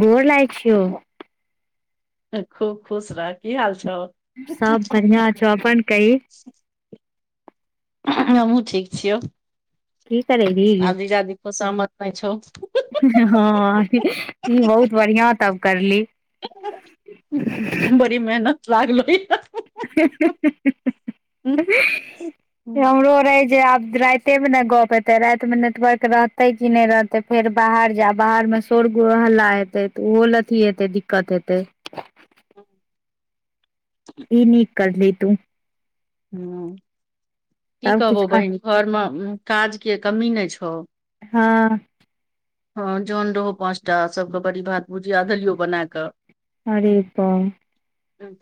गोर लागै छियौ खुब खुश रह की हाल छौ सब बढ़िआँ छौ अपन कही हमहहुँ ठीक छियौ की करेबी आदी दादी को सहमत नहि छौ हँ ई बहुत बढ़िआं टब करली बरी मेहनत लागल ह [inaudible] ह हमरो रहै जे आब रातिमे ने गप्प हतै रातिमे नेटवर्क रहतै की नहि रहतै फेर बाहर जा बाहरमे शोर गु हल्ला हेतै तऽ ओहो लए अथी हेतै दिक्कत हेतै [inaudible] [inaudible] ई नीक करली तू हूँ की तब किछ कहबौ खा बहिन घरमे काजके कमी नहि छौ हँ हँ जन रहो पाचटा सबके बड़ी भात भुजिया दलियो बना कऽ अरे बा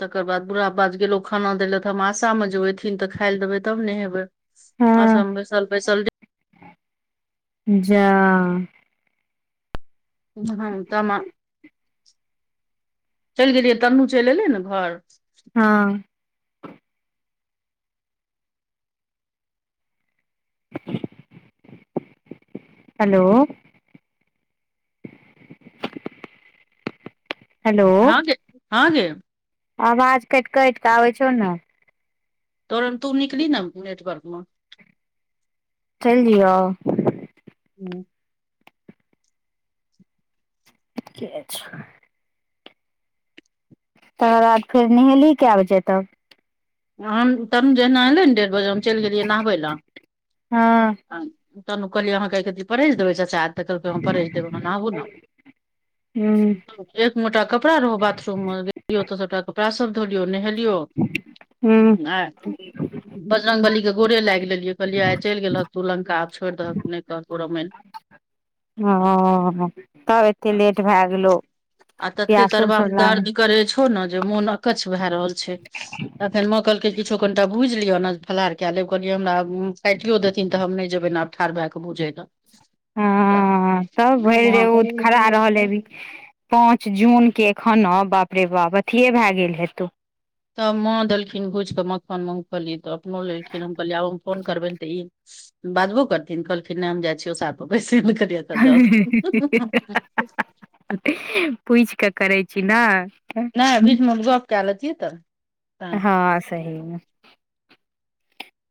तकर बाद बुढ़ा बाज के लो खाना देलत हास ाम मे जोथिन तऽ खाय ल देबै तब ने हेबे आसा हँ बैसल बैसल जा हँ त चलि गेलियै तन्नू चलि एलै ने घर हँ हेलो हेलो हाँ गे हाँ गे आवाज काटि काटि कऽ आबै छौ न तरन् तू निकली ना नेटवर्क मे चैल जियो हूँ ठ अच्छा [unintelligible] तकर बाद फेर नहेली कए बजे तब हम तहन न जहिना एयलै ने डेढ़ बजे हम चलि गेलियै नहबै लए हँ तहन कहलियैहाँके परेज देबै चच्चा तकरप हम परैसदेब नाबू न हूँ एक मोटा कपड़ा रहो बाथरूम मे गेलियौ तो सबटा कपड़ा सब धोलियौ नहेलियो हूँ ह आ बजरङग बली के गोरे लागि लेलियै कहलियै आइ चलि गेलऽ तू लंका आब छोड़ि दहक नहि कहत रमायण हं ह तब एते लेट भए गेलौ आ तते पियासो तरबा सब मे लागल दर्द करे छौ ने जे मोन अकछ भए रहल छै माँ कहलखिन, किछु कनिक भुजि लिअ ने, फलाहार कऽ लेब। कहलियै, हमरा काटियो देथिन तऽ हम नहि जेबै ने आब। ठारभकऽ भुजे ले हँ, तब भरि दिन ओ खड़ा रहल हेबि। पाँच जूनके खाना बाप रे बाप अथीए भए गेल हेतौ तब माँ देलखिन भुजि कऽ मखान कहली तऽ अपनो लेलखिन हम कहलियै आ। फोन करबै तऽ ई बाजबो करथिन, कहलखिन नाम जाय छियैस, बैसऽ कर। जल [unintelligible] पूछि कऽ करै छी ने। नहि, बीचमे गप्प कऽ लेथिन तऽ। तैं हँ, सही ने।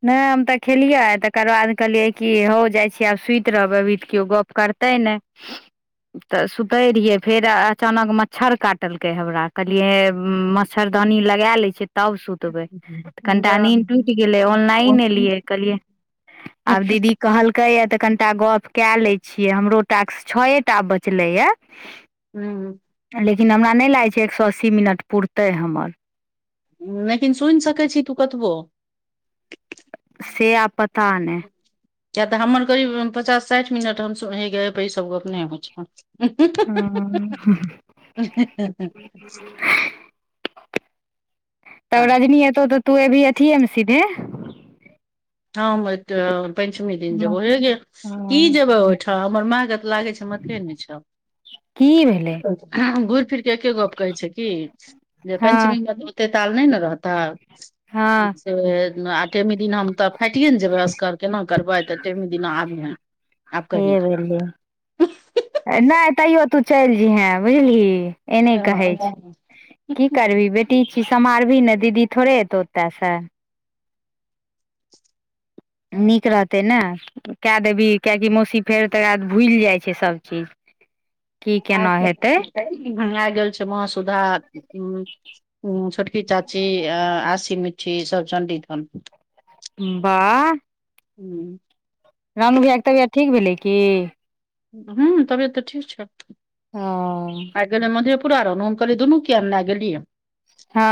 नहि हम तऽ खेलियै तकर बाद कहलियै की हौ जाइ छी। आब सुति रहबै अभी त गप्प करते ने। करतै ने। तऽ सुतए रहियै फेर अचानक मच्छर काटलकै हमरा कहलियै। मच्छरदानी लगा लेली, तऽ सुतबे कनि जा नींद हूँ टूटि गेलै। नै लिअ, कहलियै आब दीदी। की कहलकै, या तऽ कनिटा गप्प कऽ लै छियै। हमरहुँ टाइम छियै तऽ बचले या। हूँ। लेकिन हमरा नहि लागै छै। एक सए अस्सी मिनट पुरतै हमर। लेकिन सुनि सकैत छी तू कतबो। से आब पता नहि। किएक तऽ हमर करीब पचास साठि मिनट हम सुने ईसभ गप नहि होइ छ। हँ। तब छै रजनी एतौ तऽ तू एभी अथियएमे सीधे? हँ एते पञ्चमी दिन जबो हेग। की हँ जेबै ओहिठाम हमर माँ त लागै छै मथे ने छै की भेलै? घूरि फिर के एके गप कहै छै। की जे हँ पञ्चमी ते ताल नहि ने रहता हँ से ठेमी दिन हम तऽ। हाटिए ने जेबय असगर केना करबै तऽ ठेमि दिना आब हइ आब कही ले [unintelligible] ए नहि तैयो तू चलि जइहे बुझलही? ए नहि कहे छै। की करबी बेटी ठिक से समहल्बिने ने दीदी थोड़े हेतौ ओतयसँ नीक रहतै ने। कए देबी कियकि मौसी फेर तकर बाद भूलि जाई छै सभचीज। [inaudible] आ गेल छै। आ गेल छै मासुध उ छोटकी चाची आ आशी मिठ सभ चण्डिग्रह बाह। हूंँ। रानु भैयाके तबियत ठीक भेलै की? ह्म तबियतऽ ठीक छै। हँ। ल गेलै मधेपुरा रहा कहल दुनू क किया लए गेलिय हँ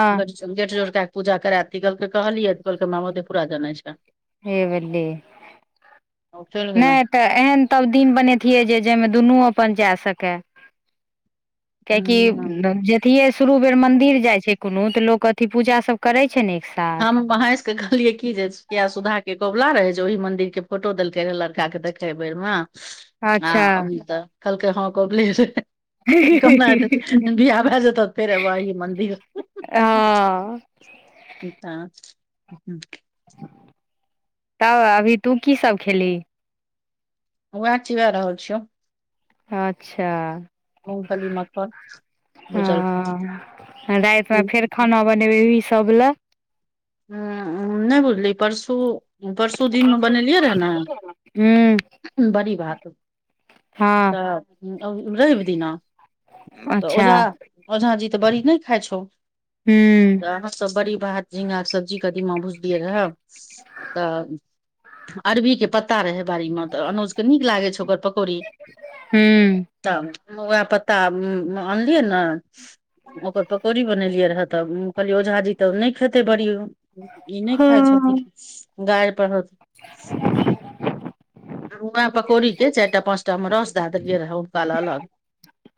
गेट जोड़क के पूजा कराती कहलक कहलियै तऽ कहलक माते पूरा जानै छै हे बली। ओ चलि गेलौं नहि तऽ एहन तब दिन बनतियै जे जाहिमे दुनू अपन जा सकय। कियाकि जधि शुरू बेर मन्दिर जाय छै कोनो तऽ लोक अथी पूजा सभ करे छै ने साथ हम वहाँ। कहलियै की जे सुधा के कबुला रहे जे ओहि मन्दिर के फोटो देलके रहे लड़का के देखे बेर में आ अच्छा अम त कलके हँ कोपली [unintelligible] कहना हतै बियाह भए जेतय फेरब एही मन्दिर हँ तऽ ह तब अभी तू की सब खेलही वह ची भए रहल छिय अच्छा मूगफली मखान हँ रातिमे फेर हूं खाना बनेबै सभ लए उ नहि बुझली परसू परसु दिन मे बनेलियै रहे हूँ ने बड़ी भात हँ तऽ रवि दिना तऽ अच्छा ओझा ओझा जी तऽ बड़ी नहि खाई छौ हूँ तऽ सब त बड़ी भात झिंगा सब्जी कदिमा भुजलियै रहऽ तऽ अरबी के पत्ता रहै बाड़ी मे तऽ अनुज के नीक लागै छै ओकर पक - - कौड़ी हूँ त उएह पत्ता आनलियै ने ओकर पकौड़ी बनेलियै रहे तऽ कहलियै ओझा जी तऽ नहि खेते बड़ी ई नहि खाइ हँ छथिन गाड़ि पर वएह पकौड़ी के चारि टा पाँचटा मे रस दए देलियै रहऽ हुनका ल अलग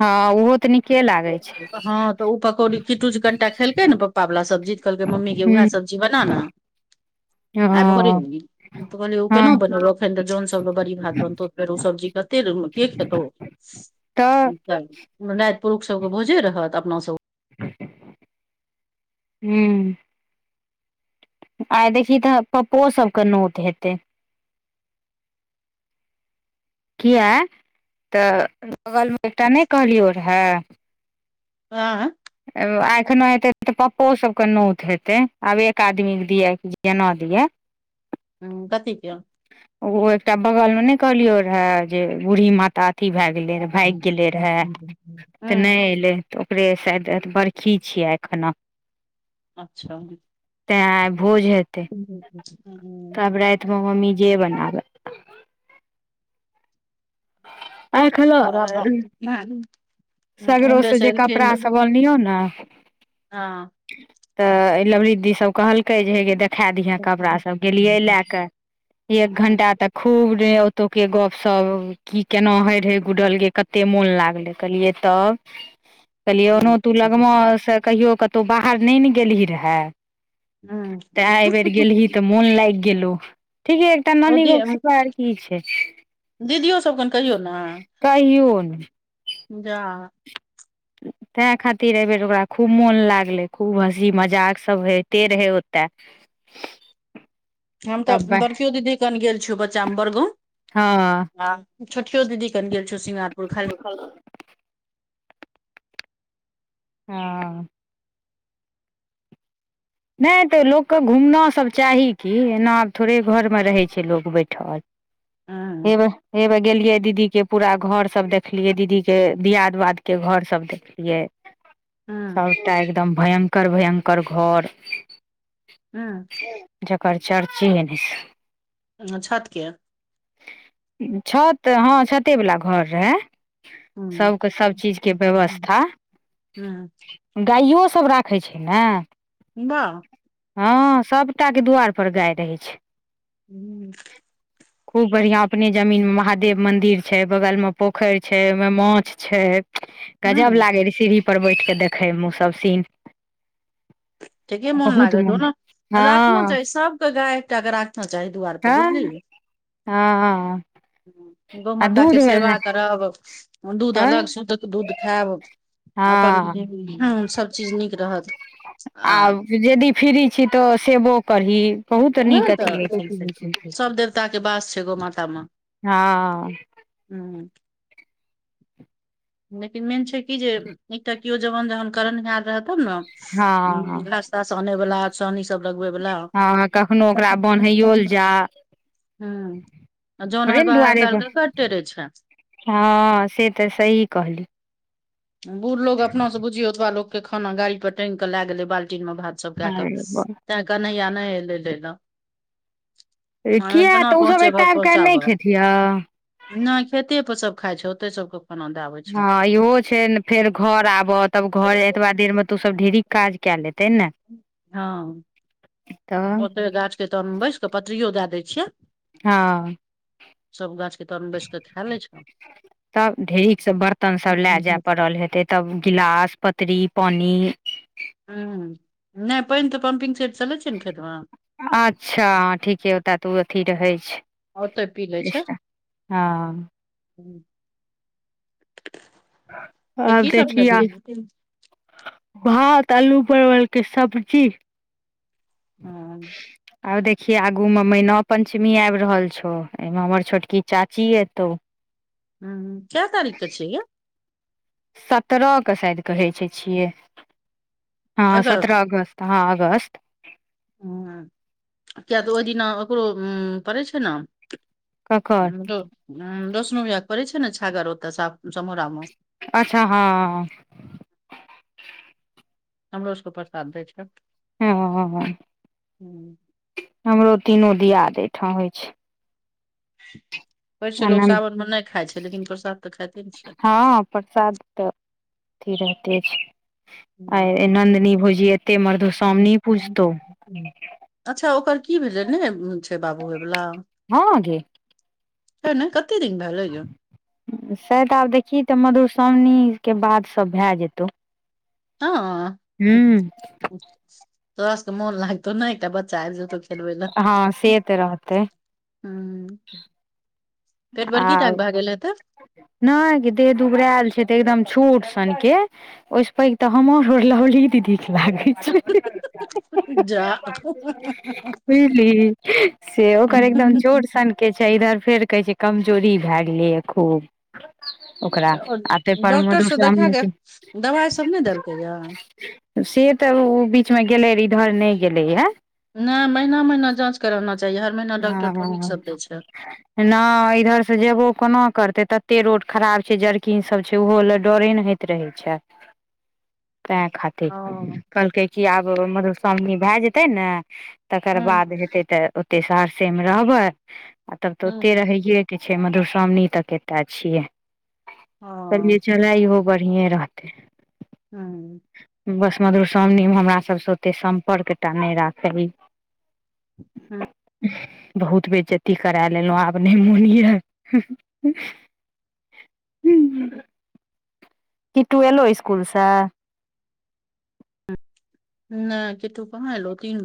हँ ओहो तऽ नीके लागैत छै हँ तऽ ओ पकौड़ी किटुज कनिटा खेलकै ने पप्पा वला सब्जी तऽ कहलकै मम्मी के हूँ उएह सब्जी बनाना आइ भरे हँ ल त कह ओ केना हँ बन ओनि त जन सो बड़ी भात बनतो फेरो ओ सब्जी कते के खेतौ तऽ ना पुरुष सब के भोजे रहत अपना सब हू आइ देखी तऽ पप्पो सब केँ नोत हेते कियै तऽ बगलमे एकटा नहि कहलियौ रहए आँ एखनो एतै तऽ पप्पो सबके नोत हेतै आब एक आदमीके दियएके केना दिअ ह कथी केँ ओ एकटा बगल में ने कहलियो रहे जे बूढ़ी माता अथी भय लेरे भाग गेले रहे तऽ नहि एले त ओकरे सा त बड़खी छियै अखना अच्छा तें आइ भोज हेतै ह्म आब तऽ राति मम्मी जे बनाबे आइ खेलो बुरा बर सगरो सँ जे कपड़ा सभ बनलियौ ने हँ तऽ ई लवरीदी सब कहलकै जे हे ग देख खा दिहे हूँ कपड़ासभ गेलियै लए कऽ एक घण्टा तक खूब ओतौके गपशप की केना होइ रहै गुड़ल ग कते मोन लागलै कहलियै तब कहलियै ओना हूँ तू लगमा से कहियो कतहु बाहर नहि ने गेलही रहे तऽ एहि बेर हूँ गेलही तऽ मोन लाग गेलो ठीके तऽ ओ नानी दी गो के शिवाय की छै दीदियो सब कन कहियौ ने कहियो ने जा तैँ खातिर एहिबेर ओकरा खूब मोन लागलै खूब हँसी मजाकसभ होइते रहै ओते [inaudible] हम तऽ तब बड़कियो दीदी कन गेल छिय बच्चामे बड़गो हँ आ छोठियो दीदी कनि गेल छौ सिङंगारपुर खाली ख हँ नहि तऽ लोकके घुमनासभ चाही की एना आब थोड़े घरमे रहै छै लोक बैठल हूँ एब एबे गेलियै दीदीके पूरा घर सब देखलियै दीदीके दिआद वादके घर सब देखलियै हूँ सबटा एकदम भयंकर भयंकर घर हँ जकर चर्ची ए ने छै न छत के छत हँ छते वला घर रहै हूँ सबके सबचीजके व्यवस्था हूँ गाइयो सब राखै छै ने बाह हँ सबटाके दुआरिपर गाय रहै छै हू खूब बढ़ियां अपने जमीन महादेव मंदिर छै बगल मे पोखेरि छै ओहिमे मोछ छै गजब लागे रहे सीढ़ी पर बैठके देखे मे सब सीन ठीके मोन लागत हो ने रातम हँ जाय सबके गाय एकटाे राखना चाही दुआरिप हँ बुझलिय हँ गौ आ माता दूध के भेल सेवा करब दूध तऽ अलग शुद्धके दूध खायब हँ अपन सभ चीज नीक रहत आ जदी फरी छी तऽ सेबो करी ने न तऽ सब देवता के बास छै गो मातामे हँ हू लेकिन मेन छै कि जे एकटा किओ जवान जहन करण याद रहत तब ने हँ उ नास तास आनै वाला सानी सब लगबे वालला हँ कखनो ओकरा बन्हैयो ल जा ह आ थोड़े जनहर ने बाहर दुआरे पर कालके कटे रहे छै हँ से तऽ सही कहली बुढ़ लोग अपना से बुझियौ ओतबा लोग के खाना गाड़ी पर टैंग के लय गेले बाल्टी मे भात सब कए क अरे तैं कन्नैया नहि ले लै ल किया मजैना तऽ ओसभ पहुँचे भग एतय आबि कऽ नहि पहुँचाबै खेथिह नहि खेतेप सभ खाइ छै ओते सभके खाना दएबै छै हँ इहो छै ने फेर घर आबह तब घर एतबा देर मे तो सब ढेरिक काज क लेते ने हँ तऽ ओतहि गाछके तहन बैसि कऽ पतरिओ दए दै छियै हँ सब गाछके तर मे बैस कऽ खा लै छै तब ढेरिक से बर्तन सब लए जाय हूं पड़ल हेतै तब गिलास पतरी पोनि हूँ नहि पानि तऽ पम्पिंग सेट स लैछि ने खेतमे अच्छा ठीके ओतय तऽ ओ अथी रहै छै आओ तऽ पी ले छै हँ ह त आब की समझ देखि दे आ भात आलू परवलके सब्जी हँ आब देखियै आगूमे मैना पञ्चमी आब रहल छौ एहिमे हमर छोटकी चाची एतौ ह कै तारिख के छै यै सत्ररह के शाद कहै छै छियै हँ सत्रह अगस्त त हँ अगस्त किया तऽ ओहि दिना ओकरो उ पड़ै छै न ककर ह दसनो भैया पड़ै छै ने छागर ओते साफ समोरा मे अच्छा हँ हमरोसकोपसखंथ दै छ हॅ हमरो तीनो दियाद एहिठाम होय छै पै छै लोक आनन्द सावनमे नहि खाय छै लेकिन प्रसाद तऽ खाइते न छै हँ प्रसाद तऽ अथी रहते छै आ नन्दनी बुझही एते मधुश्रामनी हूं पूजतौ अच्छा ओकर की भेलै ने छै बाबू हैवला हँ गे ह नहि कतेक दिन भए गेलै जे शायद आब देखही तऽ मधुश्रावणीके बाद सब भए जेतौ ह हू तोहरा सबक मोन लागतौ नहि एकटा ब हँ से तऽ रहतै ह पेट आ बरकी टाके भए गेल हेतै नहि गे देह दुबरायल छै तऽ एकदम छोट सनके ओहिस पैघ तऽ हमर लबली दीदीक लागैत छै जा बुझली से ओकर एकदम छोट सन के छै इधर फेर कहै छै कमजोरी भए गेलैए खूब ओकरा और आ ताहिपर डॉक्टर से देखा के मधुश्रावणीके दवाइ सब नै देलकै या से तऽ ओ बीचमे गेलै इधर नहि गेलैए नहि महीना महीना जाँच कराना चाही हर महीना डॉक्टर थोड़ी सब लै छै न इधर से जेबो कोना करतै तत्ते रोड खराब छै जर्किंग सब छै ओहो ले डरे न हेतै रहै छै तंए खातिर ओ हूँ कहलकै कि आब मधुश्रामनी भए जेतै न तकर हूँ बाद हेतै तऽ ओते सहरसे मे रहबै आ तब तऽ ओते रहिये कि छै मधुश्रामणी तक एते छियै ओ कहलियै चला इहो बढ़िए रहतै हू बस मधुश्रामणीमे हमरा सबसँ ओतेक सम्पर्कटा नहि राखै हँ बहुत बेज्जती करा लेलौ आब नहि मोन यऽ किट्टू एलो स्कुल स नहि किटु कहां अयलौ तिन ब